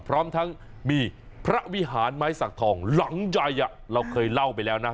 พร้อมทั้งมีพระวิหารไม้สักทองหลังใหญ่เราเคยเล่าไปแล้วนะ